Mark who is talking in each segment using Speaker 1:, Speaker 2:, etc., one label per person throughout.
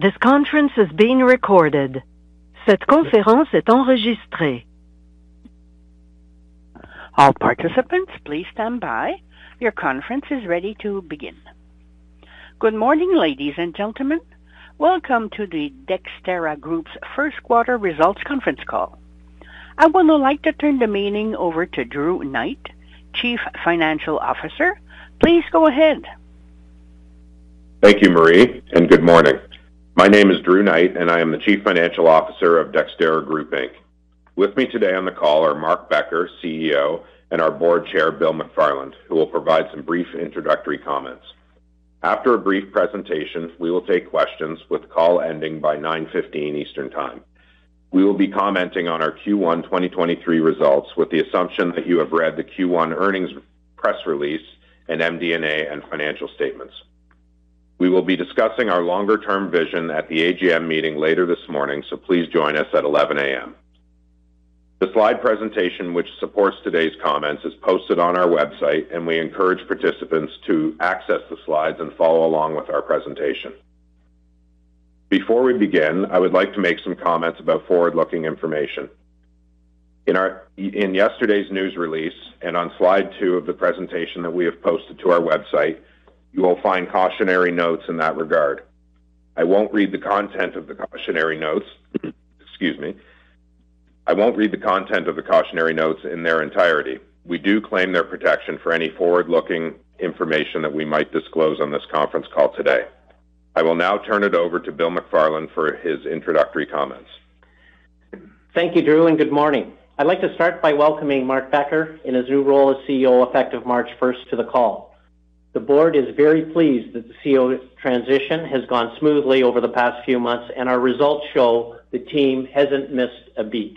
Speaker 1: Good morning, ladies and gentlemen. Welcome to the Dexterra Group's First Quarter Results Conference Call. I would like to turn the meeting over to Drew Knight, Chief Financial Officer. Please go ahead.
Speaker 2: Thank you, Marie, good morning. My name is Drew Knight, and I am the Chief Financial Officer of Dexterra Group Inc. With me today on the call are Mark Becker, CEO, and our Board Chair, Bill McFarland, who will provide some brief introductory comments. After a brief presentation, we will take questions, with call ending by 9:50 A.M. Eastern Time. We will be commenting on our Q1 2023 results with the assumption that you have read the Q1 earnings press release in MD&A and financial statements. We will be discussing our longer-term vision at the AGM meeting later this morning, so please join us at 11:00 A.M. The slide presentation, which supports today's comments, is posted on our website, and we encourage participants to access the slides and follow along with our presentation. Before we begin, I would like to make some comments about forward-looking information. In yesterday's news release and on slide two of the presentation that we have posted to our website, you will find cautionary notes in that regard. I won't read the content of the cautionary notes. Excuse me. I won't read the content of the cautionary notes in their entirety. We do claim their protection for any forward-looking information that we might disclose on this conference call today. I will now turn it over to Bill McFarland for his introductory comments.
Speaker 3: Thank you, Drew. Good morning. I'd like to start by welcoming Mark Becker in his new role as CEO, effective March first, to the call. The board is very pleased that the CEO transition has gone smoothly over the past few months. Our results show the team hasn't missed a beat.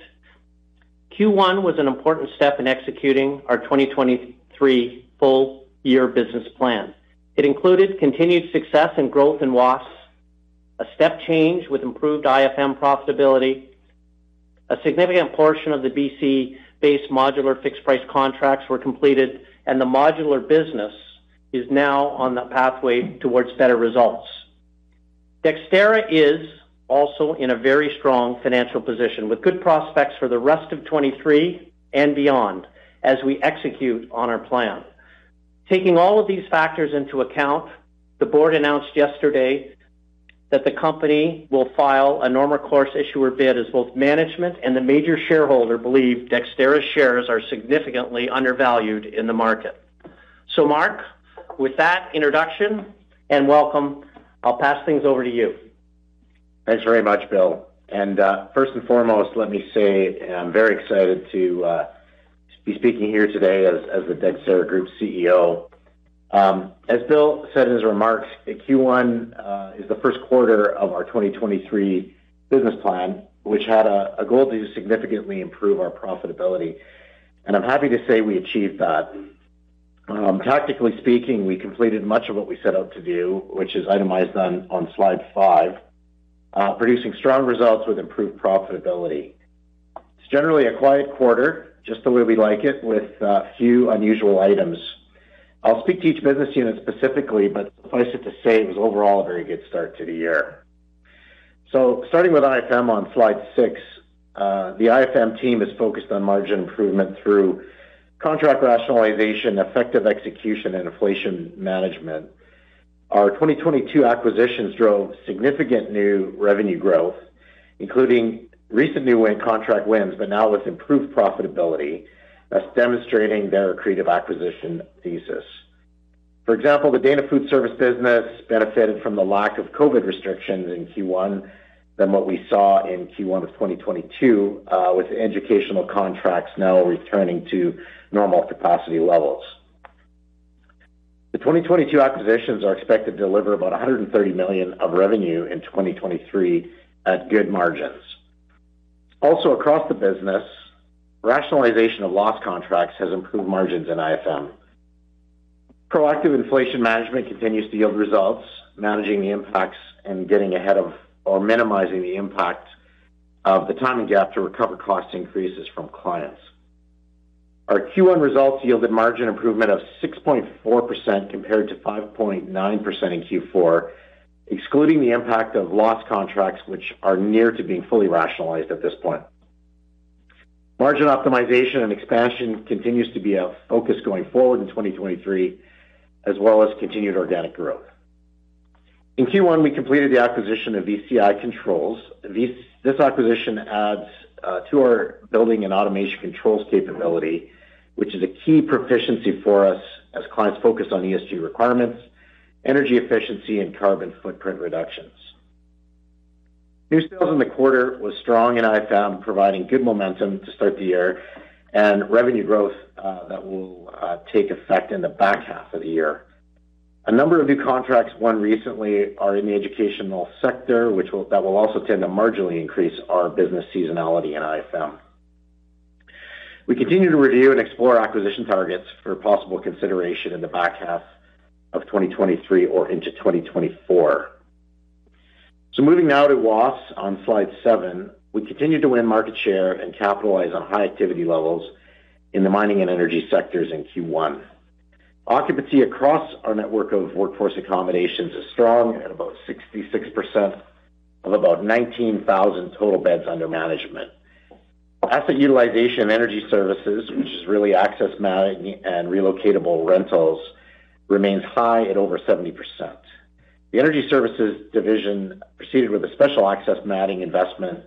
Speaker 3: Q1 was an important step in executing our 2023 full year business plan. It included continued success and growth in WAFES, a step change with improved IFM profitability. A significant portion of the BC-based modular fixed-price contracts were completed. The modular business is now on the pathway towards better results. Dexterra is also in a very strong financial position, with good prospects for the rest of 2023 and beyond as we execute on our plan. Taking all of these factors into account, the board announced yesterday that the company will file a normal course issuer bid as both management and the major shareholder believe Dexterra shares are significantly undervalued in the market. Mark, with that introduction and welcome, I'll pass things over to you.
Speaker 4: Thanks very much, Bill. First and foremost, let me say I'm very excited to be speaking here today as the Dexterra Group CEO. As Bill said in his remarks, Q1 is the first quarter of our 2023 business plan, which had a goal to significantly improve our profitability. I'm happy to say we achieved that. Tactically speaking, we completed much of what we set out to do, which is itemized on slide five, producing strong results with improved profitability. It's generally a quiet quarter, just the way we like it, with a few unusual items. I'll speak to each business unit specifically, but suffice it to say, it was overall a very good start to the year. Starting with IFM on slide six. The IFM team is focused on margin improvement through contract rationalization, effective execution, and inflation management. Our 2022 acquisitions drove significant new revenue growth, including recent new win contract wins, but now with improved profitability, thus demonstrating their creative acquisition thesis. For example, the Dana Food Service business benefited from the lack of COVID restrictions in Q1 than what we saw in Q1 of 2022, with educational contracts now returning to normal capacity levels. The 2022 acquisitions are expected to deliver about 130 million of revenue in 2023 at good margins. Across the business, rationalization of lost contracts has improved margins in IFM. Proactive inflation management continues to yield results, managing the impacts and getting ahead of or minimizing the impact of the timing gap to recover cost increases from clients. Our Q1 results yielded margin improvement of 6.4% compared to 5.9% in Q4, excluding the impact of lost contracts, which are near to being fully rationalized at this point. Margin optimization and expansion continues to be a focus going forward in 2023, as well as continued organic growth. In Q1, we completed the acquisition of VCI Controls. This acquisition adds to our building and automation controls capability, which is a key proficiency for us as clients focus on ESG requirements, energy efficiency, and carbon footprint reductions. New sales in the quarter was strong in IFM, providing good momentum to start the year and revenue growth that will take effect in the back half of the year. A number of new contracts won recently are in the educational sector, that will also tend to marginally increase our business seasonality in IFM. We continue to review and explore acquisition targets for possible consideration in the back half of 2023 or into 2024. Moving now to WAFES on slide seven. We continued to win market share and capitalize on high activity levels in the mining and energy sectors in Q1. Occupancy across our network of workforce accommodations is strong at about 66% of about 19,000 total beds under management. Asset utilization energy services, which is really access matting and relocatable rentals, remains high at over 70%. The energy services division proceeded with a special access matting investment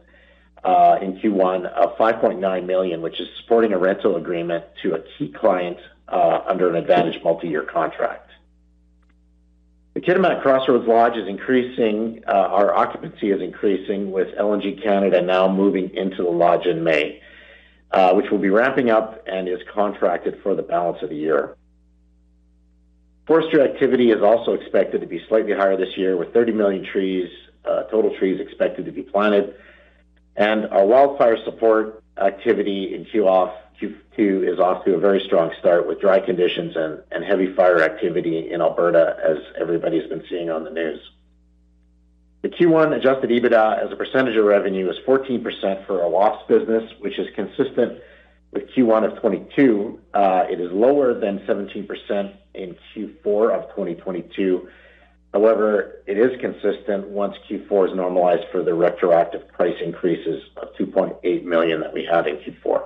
Speaker 4: in Q1 of 5.9 million, which is supporting a rental agreement to a key client under an advantage multi-year contract. The Kitimat Crossroads Lodge our occupancy is increasing with LNG Canada now moving into the lodge in May, which will be ramping up and is contracted for the balance of the year. Forestry activity is also expected to be slightly higher this year, with 30 million trees, total trees expected to be planted. Our wildfire support activity in Q2 is off to a very strong start with dry conditions and heavy fire activity in Alberta, as everybody's been seeing on the news. The Q1 adjusted EBITDA as a percentage of revenue is 14% for our WAFs business, which is consistent with Q1 of 2022. It is lower than 17% in Q4 of 2022. It is consistent once Q4 is normalized for the retroactive price increases of 2.8 million that we had in Q4.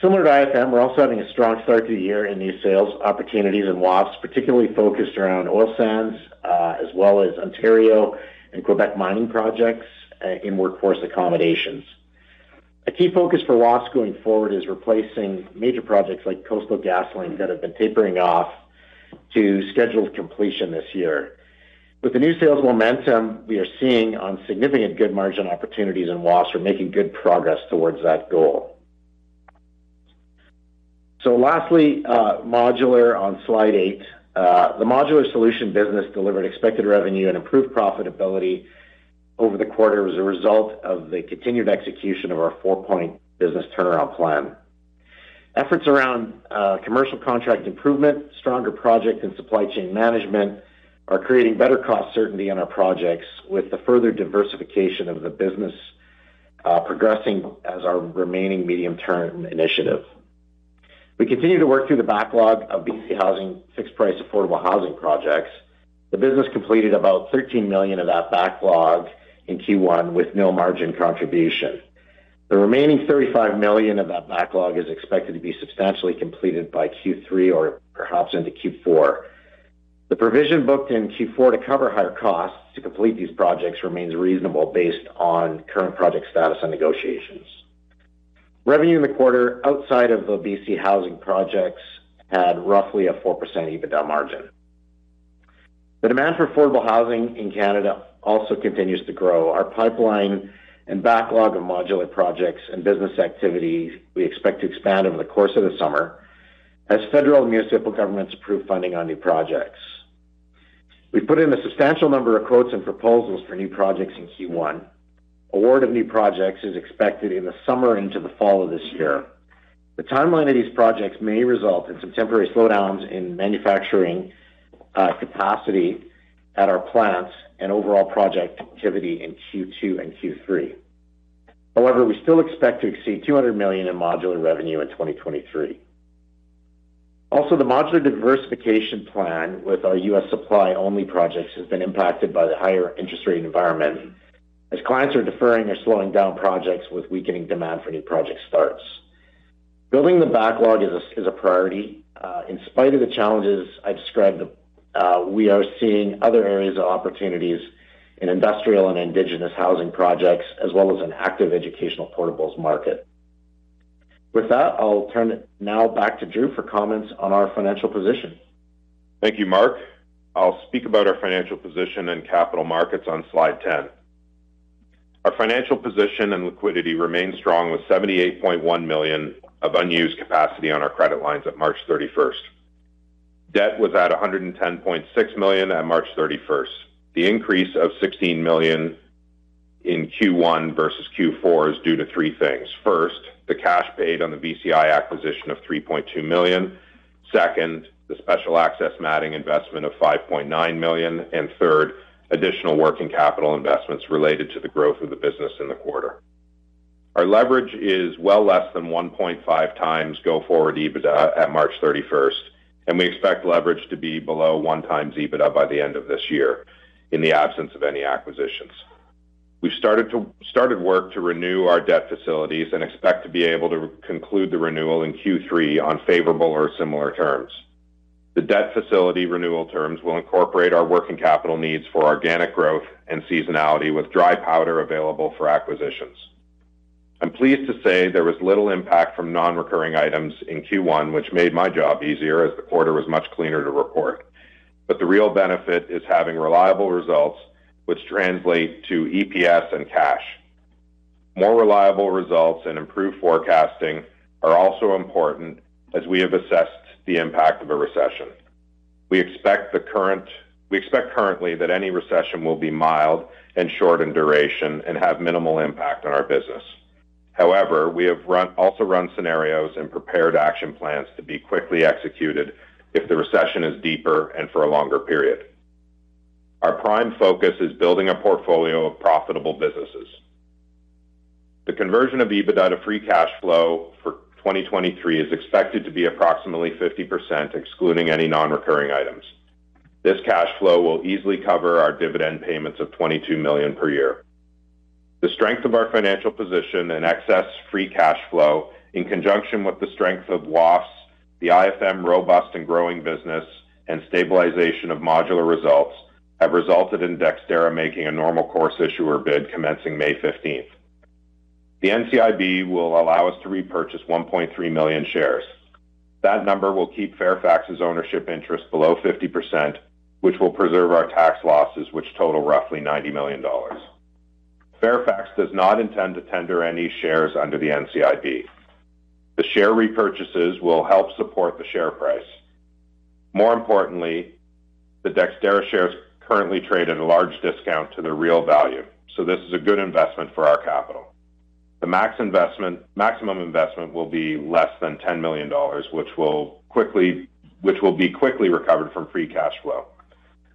Speaker 4: Similar to IFM, we're also having a strong start to the year in new sales opportunities in WAFs, particularly focused around oil sands, as well as Ontario and Quebec mining projects in workforce accommodations. A key focus for WAFs going forward is replacing major projects like Coastal GasLink that have been tapering off to scheduled completion this year. With the new sales momentum we are seeing on significant good margin opportunities in WAFs, we're making good progress towards that goal. Lastly, modular on slide eight. The modular solution business delivered expected revenue and improved profitability over the quarter as a result of the continued execution of our four-point business turnaround plan. Efforts around commercial contract improvement, stronger project and supply chain management are creating better cost certainty on our projects with the further diversification of the business progressing as our remaining medium-term initiative. We continue to work through the backlog of BC Housing fixed-price affordable housing projects. The business completed about $13 million of that backlog in Q1 with no margin contribution. The remaining $35 million of that backlog is expected to be substantially completed by Q3 or perhaps into Q4. The provision booked in Q4 to cover higher costs to complete these projects remains reasonable based on current project status and negotiations. Revenue in the quarter outside of the BC Housing projects had roughly a 4% EBITDA margin. The demand for affordable housing in Canada also continues to grow. Our pipeline and backlog of modular projects and business activities we expect to expand over the course of the summer as federal and municipal governments approve funding on new projects. We put in a substantial number of quotes and proposals for new projects in Q1. Award of new projects is expected in the summer into the fall of this year. The timeline of these projects may result in some temporary slowdowns in manufacturing capacity at our plants and overall project activity in Q2 and Q3. However, we still expect to exceed 200 million in modular revenue in 2023. The modular diversification plan with our US supply-only projects has been impacted by the higher interest rate environment as clients are deferring or slowing down projects with weakening demand for new project starts. Building the backlog is a priority. In spite of the challenges I described, we are seeing other areas of opportunities in industrial and indigenous housing projects, as well as an active educational portables market. With that, I'll turn it now back to Drew for comments on our financial position.
Speaker 2: Thank you, Mark. I'll speak about our financial position and capital markets on slide 10. Our financial position and liquidity remain strong with 78.1 million of unused capacity on our credit lines at March 31st. Debt was at 110.6 million at March 31st. The increase of 16 million in Q1 versus Q4 is due to three things. First, the cash paid on the VCI acquisition of 3.2 million. Second, the special access matting investment of 5.9 million. Third, additional working capital investments related to the growth of the business in the quarter. Our leverage is well less than 1.5x go forward EBITDA at March 31st, and we expect leverage to be below 1x EBITDA by the end of this year in the absence of any acquisitions. We've started work to renew our debt facilities and expect to be able to conclude the renewal in Q3 on favorable or similar terms. The debt facility renewal terms will incorporate our working capital needs for organic growth and seasonality with dry powder available for acquisitions. I'm pleased to say there was little impact from non-recurring items in Q1, which made my job easier as the quarter was much cleaner to report. The real benefit is having reliable results which translate to EPS and cash. More reliable results and improved forecasting are also important as we have assessed the impact of a recession. We expect currently that any recession will be mild and short in duration and have minimal impact on our business. However, we have also run scenarios and prepared action plans to be quickly executed if the recession is deeper and for a longer period. Our prime focus is building a portfolio of profitable businesses. The conversion of EBITDA to free cash flow for 2023 is expected to be approximately 50%, excluding any non-recurring items. This cash flow will easily cover our dividend payments of 22 million per year. The strength of our financial position and excess free cash flow in conjunction with the strength of IFM, the IFM robust and growing business and stabilization of modular results have resulted in Dexterra making a normal course issuer bid commencing May 15th. The NCIB will allow us to repurchase 1.3 million shares. That number will keep Fairfax's ownership interest below 50%, which will preserve our tax losses, which total roughly 90 million dollars. Fairfax does not intend to tender any shares under the NCIB. The share repurchases will help support the share price. More importantly, the Dexterra shares currently trade at a large discount to their real value, so this is a good investment for our capital. The maximum investment will be less than 10 million dollars, which will be quickly recovered from free cash flow.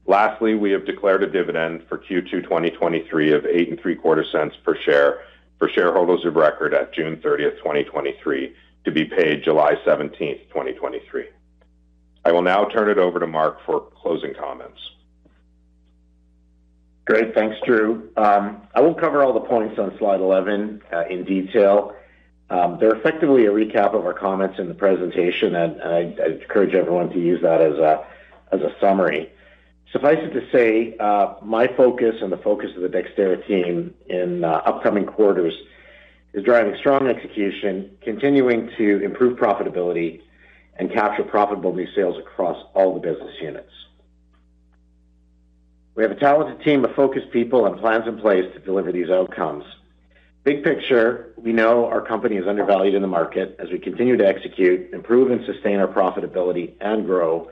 Speaker 2: We have declared a dividend for Q2 2023 of 0.0875 per share for shareholders of record at June 30, 2023 to be paid July 17, 2023. I will now turn it over to Mark for closing comments.
Speaker 4: Great. Thanks, Drew. I won't cover all the points on slide 11 in detail. They're effectively a recap of our comments in the presentation, and I encourage everyone to use that as a summary. Suffice it to say, my focus and the focus of the Dexterra team in upcoming quarters is driving strong execution, continuing to improve profitability, and capture profitable new sales across all the business units. We have a talented team of focused people and plans in place to deliver these outcomes. Big picture, we know our company is undervalued in the market. As we continue to execute, improve, and sustain our profitability and grow,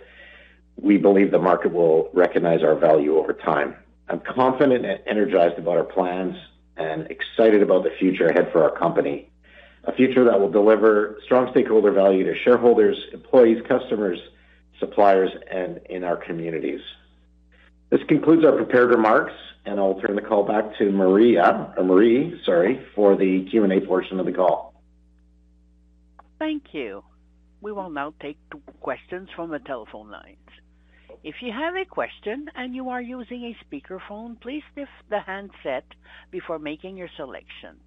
Speaker 4: we believe the market will recognize our value over time. I'm confident and energized about our plans and excited about the future ahead for our company, a future that will deliver strong stakeholder value to shareholders, employees, customers, suppliers, and in our communities. This concludes our prepared remarks, and I'll turn the call back to Marie, sorry, for the Q&A portion of the call.
Speaker 1: Thank you. We will now take questions from the telephone lines. If you have a question and you are using a speakerphone, please lift the handset before making your selection.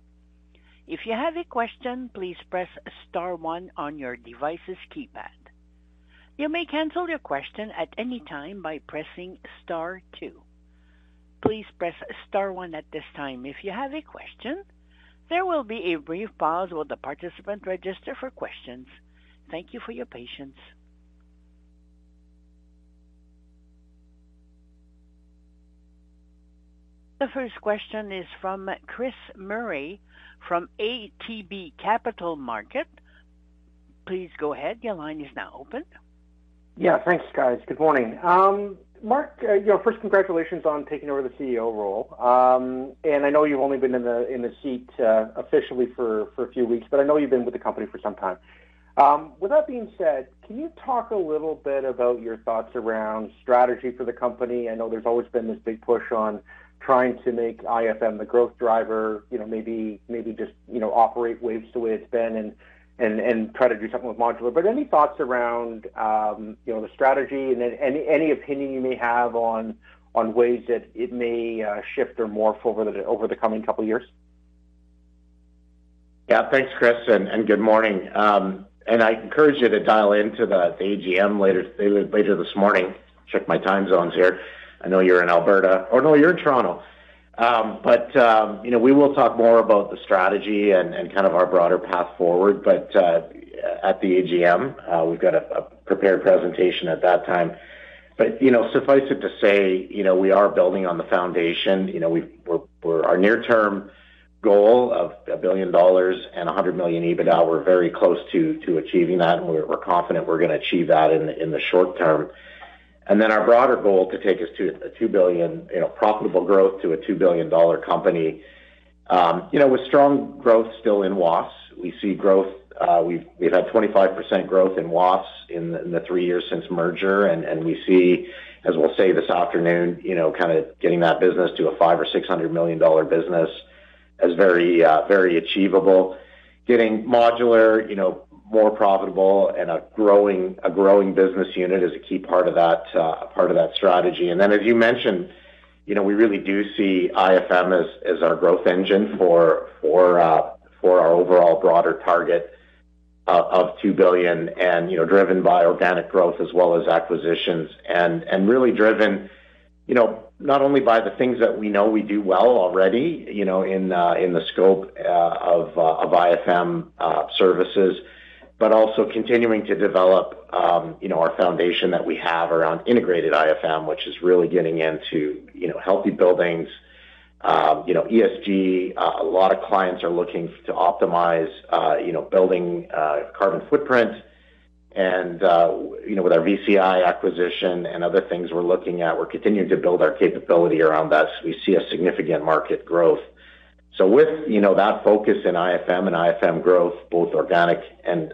Speaker 1: If you have a question, please press star one on your device's keypad. You may cancel your question at any time by pressing star two. Please press star one at this time if you have a question. There will be a brief pause while the participant register for questions. Thank you for your patience. The first question is from Chris Murray from ATB Capital Markets. Please go ahead. Your line is now open.
Speaker 5: Yeah. Thanks, guys. Good morning. Mark, you know, first congratulations on taking over the CEO role. I know you've only been in the, in the seat, officially for a few weeks, but I know you've been with the company for some time. With that being said, can you talk a little bit about your thoughts around strategy for the company? I know there's always been this big push on trying to make IFM the growth driver, you know, maybe just, you know, operate WAFES the way it's been and try to do something with modular. Any thoughts around, you know, the strategy and then any opinion you may have on ways that it may, shift or morph over the, over the coming couple years?
Speaker 4: Yeah. Thanks, Chris, good morning. I encourage you to dial into the AGM later this morning. Check my time zones here. I know you're in Alberta. Oh, no, you're in Toronto. You know, we will talk more about the strategy and kind of our broader path forward, at the AGM, we've got a prepared presentation at that time. You know, suffice it to say, you know, we are building on the foundation. You know, our near-term goal of 1 billion dollars and 100 million EBITDA, we're very close to achieving that, we're confident we're gonna achieve that in the short term. Then our broader goal to take us to a 2 billion, you know, profitable growth to a 2 billion dollar company. you know, with strong growth still in IFM, we see growth. We've had 25% growth in IFM in the three years since merger. We see, as we'll say this afternoon, you know, kinda getting that business to a 500 million-600 million dollar business as very achievable. Getting modular, you know, more profitable and a growing business unit is a key part of that part of that strategy. As you mentioned, you know, we really do see IFM as our growth engine for our overall broader target of 2 billion and, you know, driven by organic growth as well as acquisitions. Really driven, you know, not only by the things that we know we do well already, you know, in the scope of IFM services, but also continuing to develop, you know, our foundation that we have around integrated IFM, which is really getting into, you know, healthy buildings, you know, ESG. A lot of clients are looking to optimize, you know, building carbon footprint. You know, with our VCI acquisition and other things we're looking at, we're continuing to build our capability around that as we see a significant market growth. With, you know, that focus in IFM and IFM growth, both organic and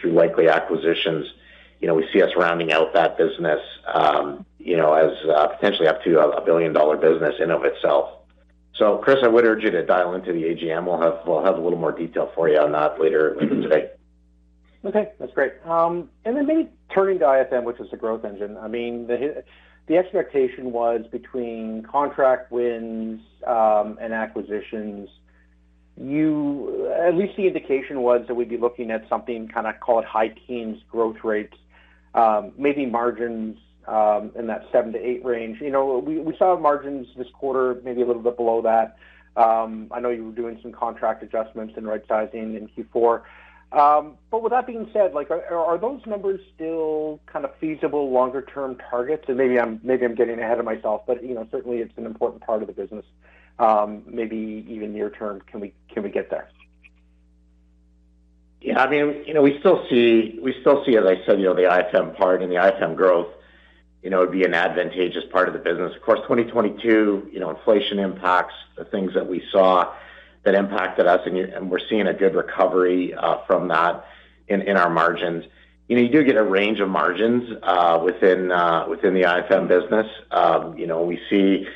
Speaker 4: through likely acquisitions, you know, we see us rounding out that business, you know, as potentially up to a billion-dollar business in of itself. Chris, I would urge you to dial into the AGM. We'll have a little more detail for you on that later today.
Speaker 5: Okay, that's great. Maybe turning to IFM, which is the growth engine. I mean, the expectation was between contract wins and acquisitions. At least the indication was that we'd be looking at something kind of call it high teens growth rates, maybe margins in that 7%-8% range. You know, we saw margins this quarter maybe a little bit below that. I know you were doing some contract adjustments and rightsizing in Q4. With that being said, like are those numbers still kind of feasible longer-term targets? Maybe I'm getting ahead of myself, you know, certainly it's an important part of the business, maybe even near term, can we get there?
Speaker 4: Yeah, I mean, you know, we still see, as I said, you know, the IFM part and the IFM growth, you know, be an advantageous part of the business. Of course, 2022, you know, inflation impacts the things that we saw that impacted us, and we're seeing a good recovery from that in our margins. You know, you do get a range of margins within the IFM business. You know, we see,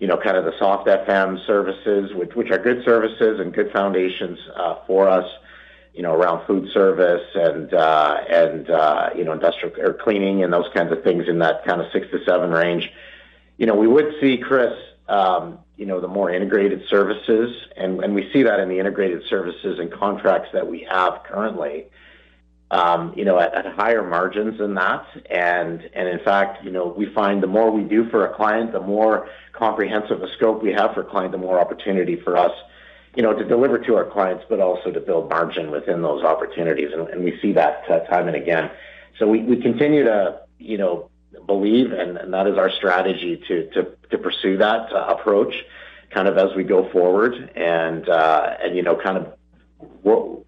Speaker 4: you know, kind of the soft FM services, which are good services and good foundations for us, you know, around food service and, you know, industrial or cleaning and those kinds of things in that kind of 6%-7% range. You know, we would see, Chris, you know, the more integrated services. We see that in the integrated services and contracts that we have currently, you know, at higher margins than that. In fact, you know, we find the more we do for a client, the more comprehensive a scope we have for a client, the more opportunity for us, you know, to deliver to our clients, but also to build margin within those opportunities. We see that time and again. We continue to, you know, believe, and that is our strategy to pursue that approach kind of as we go forward and, you know, kind of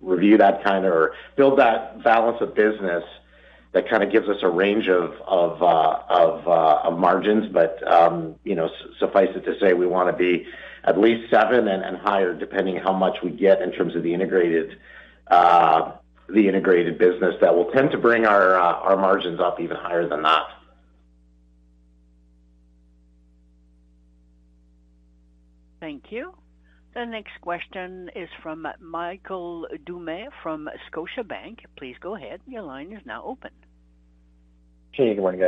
Speaker 4: review that kind of or build that balance of business that kind of gives us a range of margins. you know, suffice it to say we wanna be at least 7% and higher depending how much we get in terms of the integrated business that will tend to bring our margins up even higher than that.
Speaker 1: Thank you. The next question is from Michael Doumet from Scotiabank. Please go ahead. Your line is now open.
Speaker 6: Hey, good morning,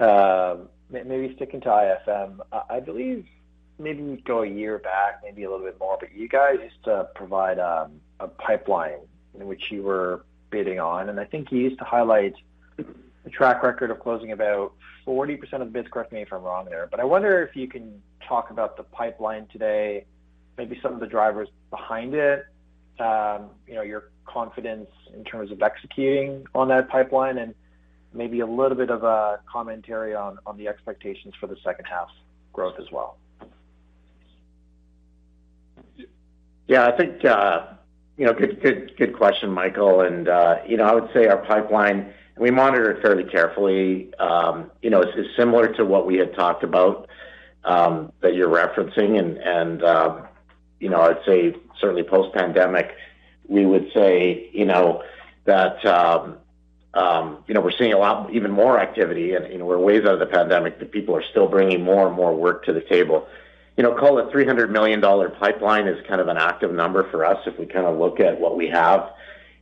Speaker 6: guys. maybe sticking to IFM. I believe maybe go a year back, maybe a little bit more, but you guys used to provide a pipeline in which you were bidding on, and I think you used to highlight the track record of closing about 40% of the bids, correct me if I'm wrong there. I wonder if you can talk about the pipeline today, maybe some of the drivers behind it, you know, your confidence in terms of executing on that pipeline, and maybe a little bit of a commentary on the expectations for the 2nd half growth as well?
Speaker 4: Yeah, I think, you know, good question, Michael. You know, I would say our pipeline, we monitor it fairly carefully. You know, it's similar to what we had talked about that you're referencing. You know, I'd say certainly post-pandemic, we would say, you know, that, you know, we're seeing a lot even more activity and, you know, we're ways out of the pandemic that people are still bringing more and more work to the table. You know, call it 300 million dollar pipeline is kind of an active number for us if we kind of look at what we have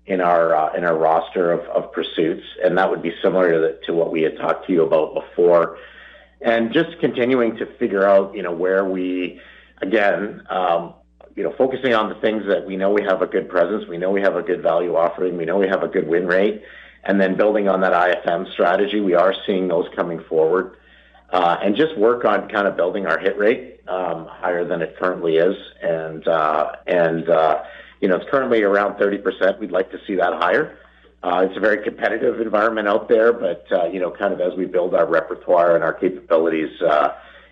Speaker 4: in our in our roster of pursuits, and that would be similar to what we had talked to you about before. Just continuing to figure out, you know, where we, again, you know, focusing on the things that we know we have a good presence, we know we have a good value offering, we know we have a good win rate. Then building on that IFM strategy, we are seeing those coming forward, and just work on kind of building our hit rate higher than it currently is. You know, it's currently around 30%. We'd like to see that higher. It's a very competitive environment out there, but, you know, kind of as we build our repertoire and our capabilities,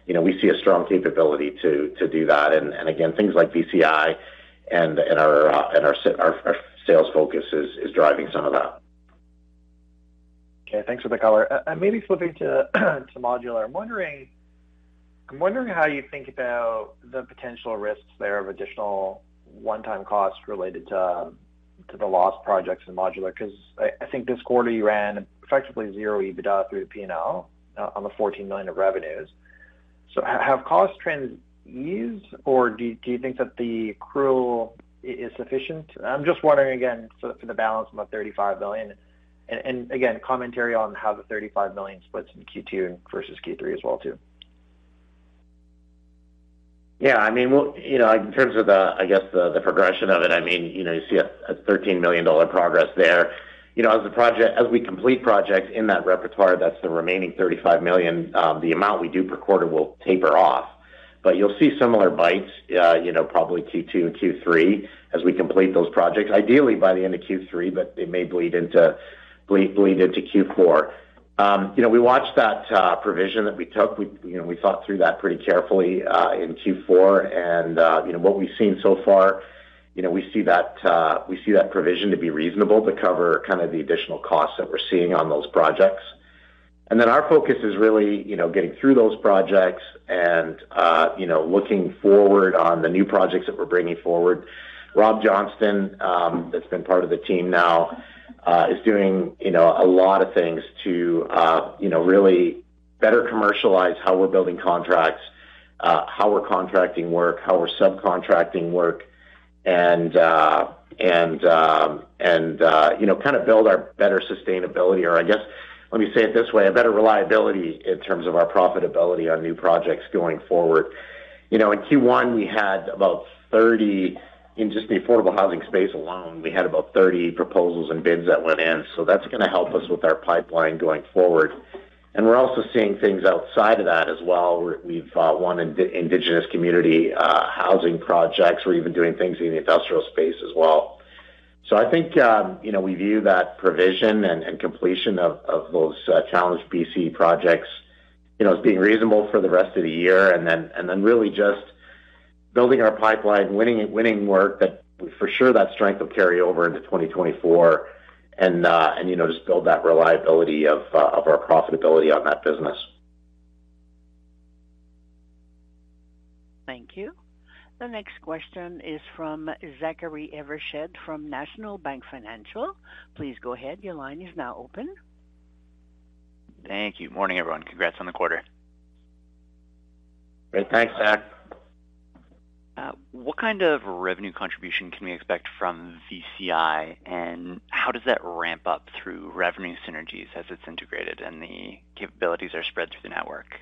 Speaker 4: you know, we see a strong capability to do that. And again, things like VCI and our sales focus is driving some of that.
Speaker 6: Okay, thanks for the color. Maybe flipping to Modular. I'm wondering how you think about the potential risks there of additional one-time costs related to the lost projects in Modular, 'cause I think this quarter you ran effectively 0 EBITDA through the P&L on the 14 million of revenues. Have costs eased, or do you think that the accrual is sufficient? I'm just wondering again for the balance of the 35 million. Again, commentary on how the 35 million splits in Q2 versus Q3 as well too.
Speaker 4: Yeah, I mean, we'll. You know, in terms of the, I guess, the progression of it, I mean, you know, you see a 13 million dollar progress there. You know, as the project as we complete projects in that repertoire, that's the remaining 35 million, the amount we do per quarter will taper off. You'll see similar bites, you know, probably Q2 and Q3 as we complete those projects, ideally by the end of Q3, but they may bleed into Q4. You know, we watched that provision that we took. We, you know, we thought through that pretty carefully in Q4. You know, what we've seen so far, you know, we see that we see that provision to be reasonable to cover kind of the additional costs that we're seeing on those projects. Our focus is really, you know, getting through those projects and, you know, looking forward on the new projects that we're bringing forward. Rob Johnston, that's been part of the team now, is doing, you know, a lot of things to, you know, really better commercialize how we're building contracts, how we're contracting work, how we're subcontracting work, and, you know, kind of build our better sustainability or I guess, let me say it this way, a better reliability in terms of our profitability on new projects going forward. You know, in Q1, we had about 30 proposals and bids that went in, so that's gonna help us with our pipeline going forward. We're also seeing things outside of that as well. We've won indigenous community housing projects. We're even doing things in the industrial space as well. I think, you know, we view that provision and completion of those challenged BC projects, you know, as being reasonable for the rest of the year. Then really just building our pipeline, winning work that for sure that strength will carry over into 2024. And, you know, just build that reliability of our profitability on that business.
Speaker 1: Thank you. The next question is from Zachary Evershed from National Bank Financial. Please go ahead. Your line is now open.
Speaker 7: Thank you. Morning, everyone. Congrats on the quarter.
Speaker 4: Great. Thanks, Zach.
Speaker 7: What kind of revenue contribution can we expect from VCI? How does that ramp up through revenue synergies as it's integrated and the capabilities are spread through the network?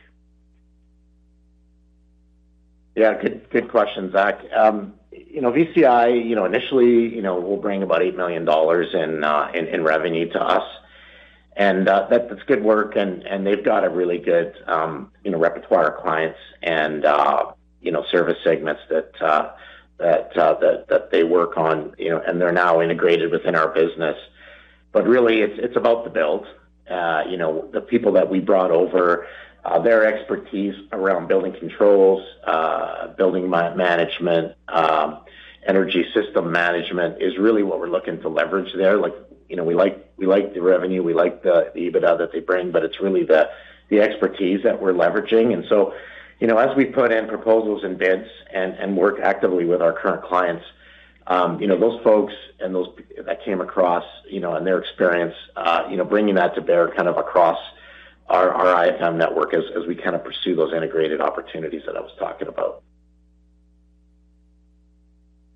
Speaker 4: Yeah. Good question, Zach. You know, VCI, you know, initially, you know, will bring about 8 million dollars in revenue to us. That's good work, and they've got a really good, you know, repertoire of clients and, you know, service segments that they work on, you know, and they're now integrated within our business. Really it's about the build. You know, the people that we brought over, their expertise around building controls, building management, energy system management is really what we're looking to leverage there. Like, you know, we like the revenue, we like the EBITDA that they bring, but it's really the expertise that we're leveraging. you know, as we put in proposals and bids and work actively with our current clients, you know, those folks and those that came across, you know, and their experience, you know, bringing that to bear kind of across our IFM network as we kind of pursue those integrated opportunities that I was talking about.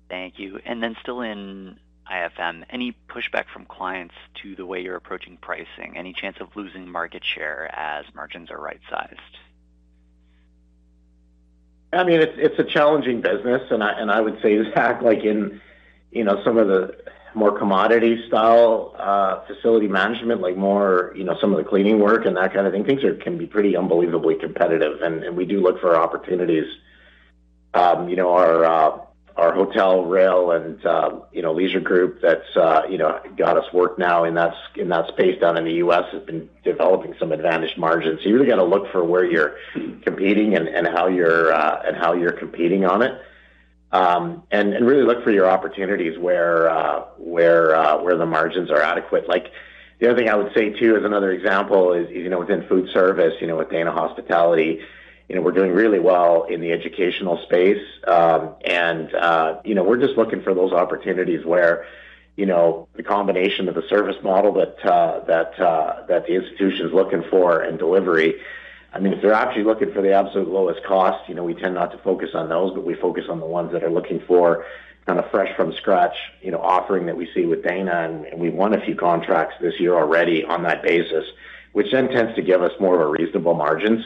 Speaker 7: Thank you. Then still in IFM, any pushback from clients to the way you're approaching pricing? Any chance of losing market share as margins are right-sized?
Speaker 4: I mean, it's a challenging business, and I would say, Zach, like in, you know, some of the more commodity style, facility management, like more, you know, some of the cleaning work and that kind of thing, can be pretty unbelievably competitive, and we do look for opportunities. Our hotel rail and leisure group that's got us work now in that space down in the U.S. has been developing some advantage margins. You really got to look for where you're competing and how you're competing on it. Really look for your opportunities where the margins are adequate. The other thing I would say too as another example is, you know, within food service, you know, with Dana Hospitality, you know, we're doing really well in the educational space. And, you know, we're just looking for those opportunities where, you know, the combination of the service model that the institution's looking for and delivery. I mean, if they're actually looking for the absolute lowest cost, you know, we tend not to focus on those, but we focus on the ones that are looking for kind of fresh from scratch, you know, offering that we see with Dana, and we won a few contracts this year already on that basis, which then tends to give us more of a reasonable margin.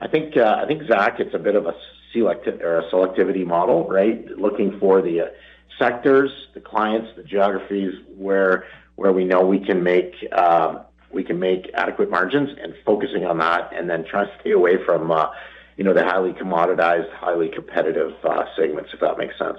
Speaker 4: I think, Zach, it's a bit of a selectivity model, right? Looking for the sectors, the clients, the geographies where we know we can make adequate margins and focusing on that and then trying to stay away from, you know, the highly commoditized, highly competitive, segments, if that makes sense.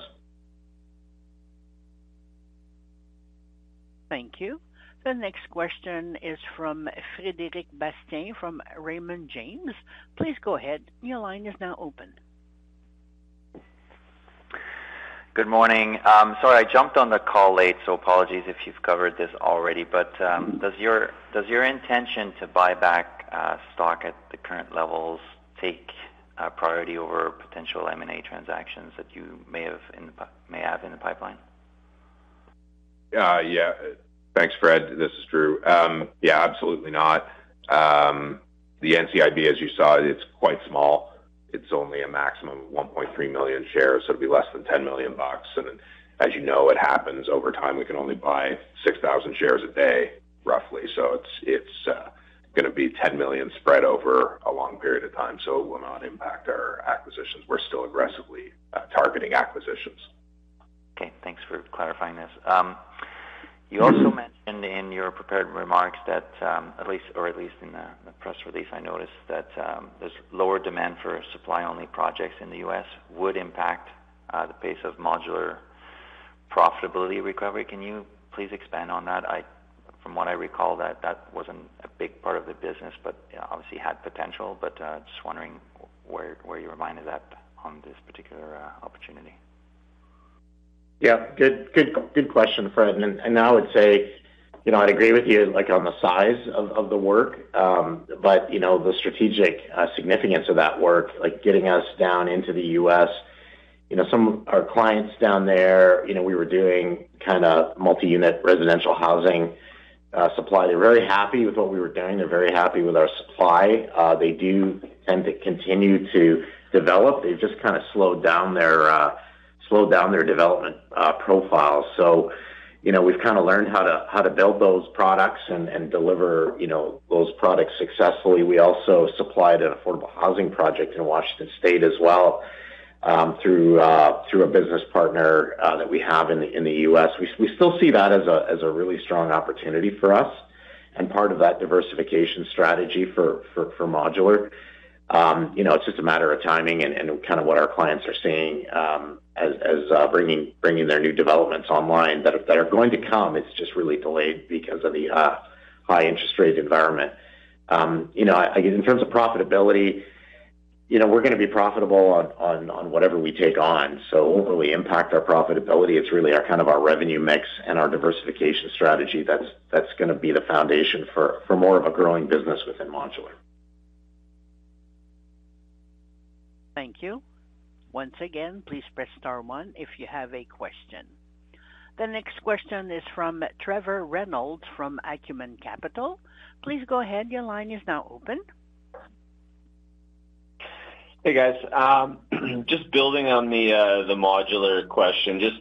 Speaker 1: Thank you. The next question is from Frederic Bastien from Raymond James. Please go ahead. Your line is now open.
Speaker 8: Good morning. Sorry, I jumped on the call late, apologies if you've covered this already. Does your intention to buy back stock at the current levels take priority over potential M&A transactions that you may have in the pipeline?
Speaker 2: Yeah. Thanks, Fred. This is Drew. Yeah, absolutely not. The NCIB, as you saw, it's quite small. It's only a maximum of 1.3 million shares, so it will be less than 10 million bucks. As you know, it happens over time. We can only buy 6,000 shares a day, roughly. So it's gonna be 10 million spread over a long period of time, so it will not impact our acquisitions. We're still aggressively targeting acquisitions.
Speaker 8: Okay. Thanks for clarifying this. You also mentioned in your prepared remarks that, at least in the press release, I noticed that this lower demand for supply-only projects in the US would impact the pace of modular profitability recovery. Can you please expand on that? From what I recall, that wasn't a big part of the business, but, you know, obviously had potential. Just wondering where your mind is at on this particular opportunity.
Speaker 4: Yeah. Good, good question, Fred. I would say, you know, I'd agree with you, like, on the size of the work. You know, the strategic significance of that work, like getting us down into the U.S. You know, some of our clients down there, you know, we were doing kind of multi-unit residential housing supply. They're very happy with what we were doing. They're very happy with our supply. They do tend to continue to develop. They've just kinda slowed down their development profile. You know, we've kinda learned how to build those products and deliver, you know, those products successfully. We also supplied an affordable housing project in Washington State as well, through a business partner that we have in the U.S. We still see that as a really strong opportunity for us and part of that diversification strategy for modular. you know, it's just a matter of timing and kind of what our clients are seeing, as bringing their new developments online that are going to come. It's just really delayed because of the high interest rate environment. you know, I guess in terms of profitability, you know, we're gonna be profitable on whatever we take on. When we impact our profitability, it's really our kind of our revenue mix and our diversification strategy that's gonna be the foundation for more of a growing business within modular.
Speaker 1: Thank you. Once again, please press star one if you have a question. The next question is from Trevor Reynolds from Acumen Capital. Please go ahead. Your line is now open.
Speaker 9: Hey, guys. Just building on the modular question, just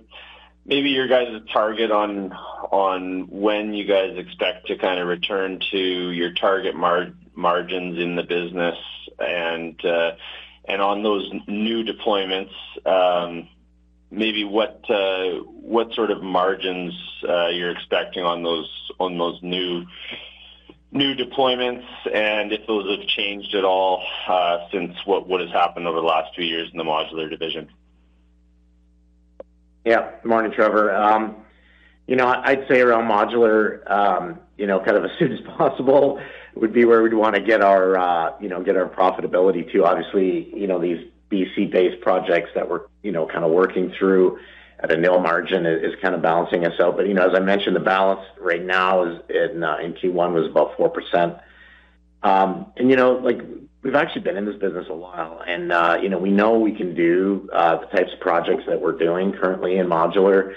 Speaker 9: maybe your guys' target on when you guys expect to kinda return to your target margins in the business. On those new deployments, maybe what sort of margins you're expecting on those new deployments, and if those have changed at all since what has happened over the last two years in the modular division?
Speaker 4: Yeah. Morning, Trevor. You know, I'd say around modular, you know, kind of as soon as possible would be where we'd wanna get our, you know, get our profitability to. Obviously, you know, these BC-based projects that we're, you know, kind of working through at a nil margin is kind of balancing us out. You know, as I mentioned, the balance right now is at in Q1 was about 4%. You know, like, we've actually been in this business a while and, you know, we know we can do the types of projects that we're doing currently in modular,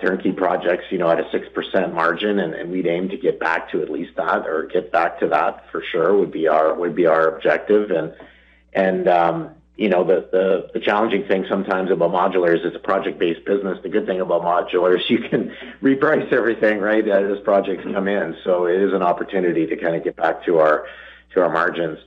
Speaker 4: turnkey projects, you know, at a 6% margin, and we'd aim to get back to at least that or get back to that for sure, would be our objective. you know, the challenging thing sometimes about modular is it's a project-based business. The good thing about modular is you can reprice everything, right, as projects come in. it is an opportunity to kinda get back to our, to our margins.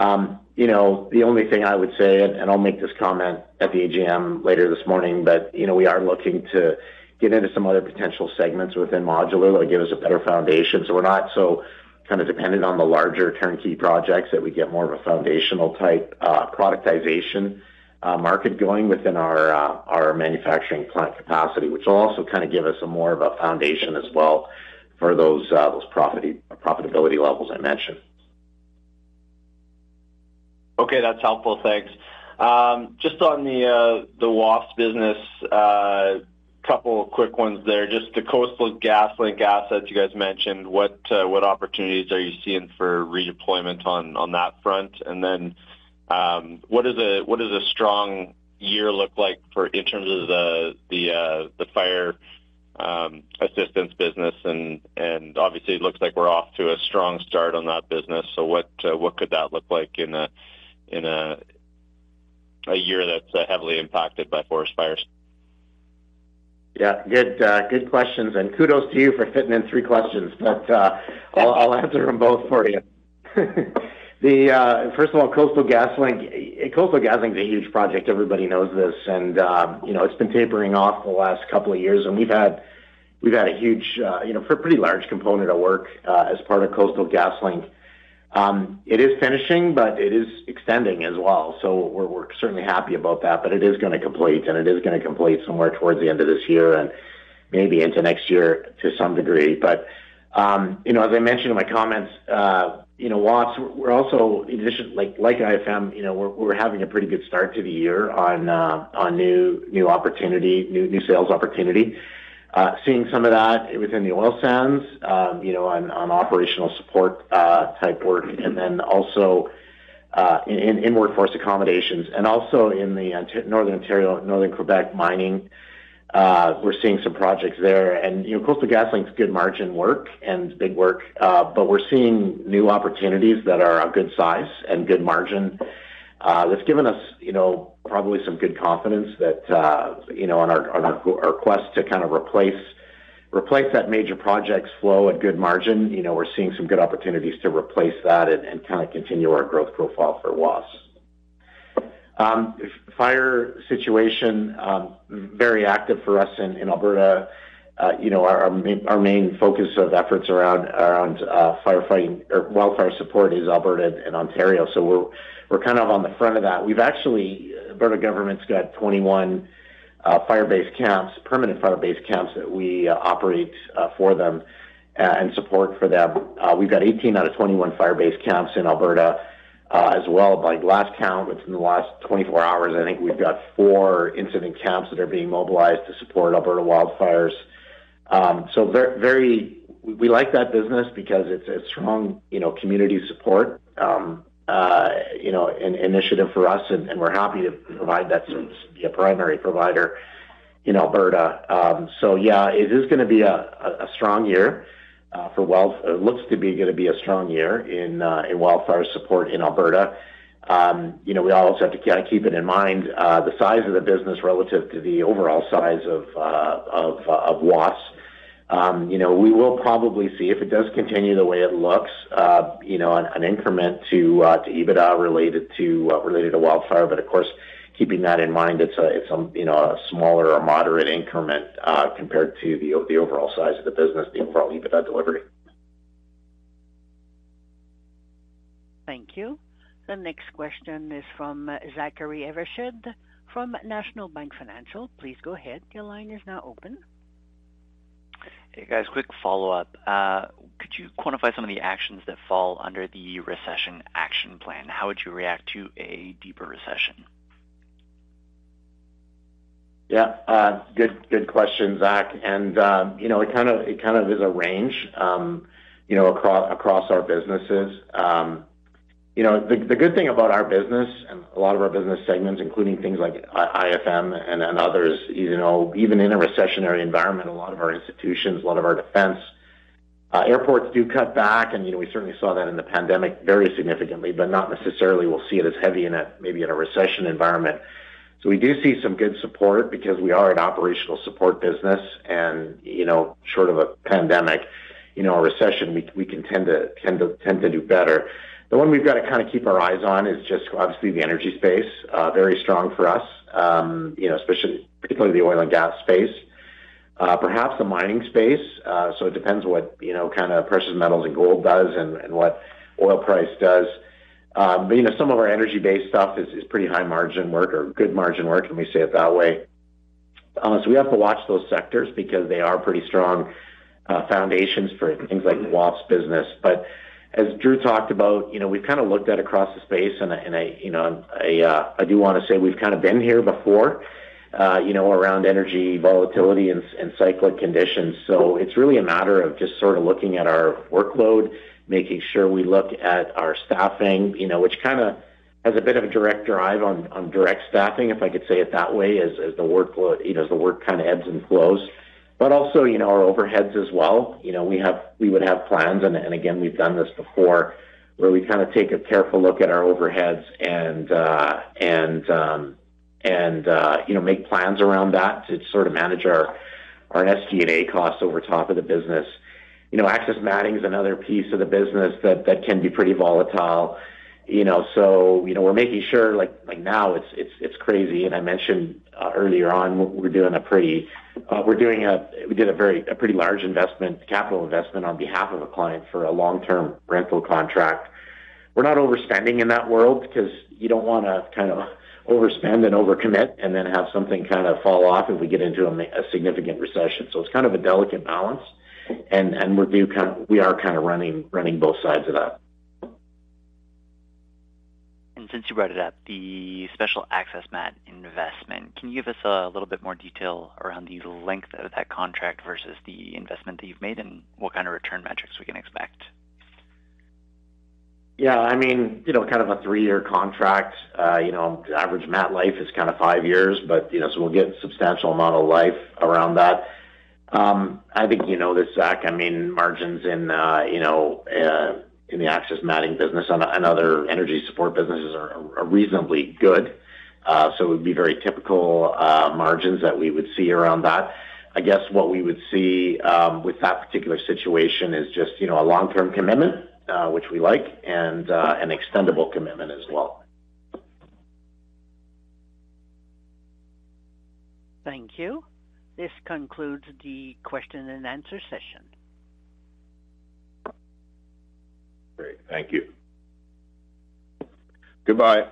Speaker 4: you know, the only thing I would say, and I'll make this comment at the AGM later this morning, you know, we are looking to get into some other potential segments within modular that give us a better foundation, so we're not so kind of dependent on the larger turnkey projects, that we get more of a foundational type, productization, market going within our manufacturing plant capacity, which will also kinda give us a more of a foundation as well for those profitability levels I mentioned.
Speaker 9: Okay, that's helpful. Thanks. Just on the WAFES business, couple of quick ones there. Just the Coastal GasLink assets you guys mentioned, what opportunities are you seeing for redeployment on that front? Then, what does a, what does a strong year look like for... in terms of the fire assistance business? Obviously it looks like we're off to a strong start on that business. What could that look like in a year that's heavily impacted by forest fires?
Speaker 4: Yeah. Good questions, and kudos to you for fitting in three questions. I'll answer them both for you. First of all, Coastal GasLink, Coastal GasLink's a huge project. Everybody knows this. You know, it's been tapering off the last couple of years, and we've had a huge, you know, a pretty large component of work as part of Coastal GasLink. It is finishing, but it is extending as well. We're certainly happy about that. It is gonna complete, and it is gonna complete somewhere towards the end of this year and maybe into next year to some degree. You know, as I mentioned in my comments, you know, WAFES, we're also, in addition... Like IFM, you know, we're having a pretty good start to the year on new opportunity, new sales opportunity. Seeing some of that within the oil sands, you know, on operational support type work and then also in workforce accommodations and also in Northern Ontario, Northern Quebec mining, we're seeing some projects there. You know, Coastal GasLink's good margin work and big work, but we're seeing new opportunities that are a good size and good margin. That's given us, you know, probably some good confidence that, you know, on our quest to kind of replace that major projects flow at good margin. You know, we're seeing some good opportunities to replace that and kinda continue our growth profile for WAFES. Fire situation, very active for us in Alberta. You know, our main focus of efforts around firefighting or wildfire support is Alberta and Ontario. We're kind of on the front of that. We've actually Alberta government's got 21 fire base camps, permanent fire base camps that we operate for them, and support for them. We've got 18 out of 21 fire base camps in Alberta as well. By last count, within the last 24 hours, I think we've got 4 incident camps that are being mobilized to support Alberta wildfires. We like that business because it's a strong, you know, community support, you know, an initiative for us and we're happy to provide that service, be a primary provider in Alberta. So yeah, it is gonna be a strong year, it looks to be gonna be a strong year in wildfire support in Alberta. You know, we also have to kinda keep it in mind, the size of the business relative to the overall size of WAFES. You know, we will probably see if it does continue the way it looks, you know, an increment to EBITDA related to wildfire. Of course, keeping that in mind, it's, you know, a smaller or moderate increment compared to the overall size of the business, the overall EBITDA delivery.
Speaker 1: Thank you. The next question is from Zachary Evershed from National Bank Financial. Please go ahead. Your line is now open.
Speaker 7: Hey, guys. Quick follow-up. Could you quantify some of the actions that fall under the recession action plan? How would you react to a deeper recession?
Speaker 4: Yeah. Good question, Zach. You know, it kinda, it kind of is a range, you know, across our businesses. You know, the good thing about our business and a lot of our business segments, including things like IFM and others, you know, even in a recessionary environment, a lot of our institutions, a lot of our defense, airports do cut back. You know, we certainly saw that in the pandemic very significantly, but not necessarily we'll see it as heavy in a maybe in a recession environment. We do see some good support because we are an operational support business and, you know, short of a pandemic, you know, a recession, we can tend to do better. The one we've got to kind of keep our eyes on is just obviously the energy space, very strong for us, you know, especially particularly the oil and gas space. Perhaps the mining space. So it depends what, you know, kind of precious metals and gold does and what oil price does. But, you know, some of our energy-based stuff is pretty high margin work or good margin work, let me say it that way. So we have to watch those sectors because they are pretty strong foundations for things like WAFES business. As Drew talked about, you know, we've kind of looked at across the space and I, you know, I do want to say we've kind of been here before, you know, around energy volatility and cyclic conditions. It's really a matter of just sort of looking at our workload, making sure we look at our staffing, you know, which kinda has a bit of a direct drive on direct staffing, if I could say it that way, as the workload, you know, as the work kind of ebbs and flows. Also, you know, our overheads as well. You know, we would have plans and again, we've done this before, where we kinda take a careful look at our overheads and, you know, make plans around that to sort of manage our SG&A costs over top of the business. You know, access matting is another piece of the business that can be pretty volatile. You know, you know, we're making sure like now it's crazy and I mentioned earlier on we did a pretty large investment, capital investment on behalf of a client for a long-term rental contract. We're not overspending in that world because you don't wanna kind of overspend and overcommit and then have something kind of fall off if we get into a significant recession. It's kind of a delicate balance. We are kind of running both sides of that.
Speaker 7: Since you brought it up, the special access mat investment, can you give us a little bit more detail around the length of that contract versus the investment that you've made and what kind of return metrics we can expect?
Speaker 4: I mean, you know, kind of a 3-year contract. You know, average mat life is kinda 5 years, but, you know, so we'll get substantial amount of life around that. I think you know this, Zach, I mean, margins in, you know, in the access matting business and other energy support businesses are reasonably good. It would be very typical, margins that we would see around that. I guess what we would see, with that particular situation is just, you know, a long-term commitment, which we like, and, an extendable commitment as well.
Speaker 1: Thank you. This concludes the question and answer session.
Speaker 4: Great. Thank you.
Speaker 7: Goodbye.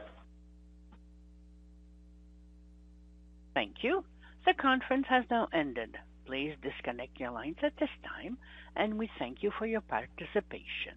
Speaker 1: Thank you. The conference has now ended. Please disconnect your lines at this time, and we thank you for your participation.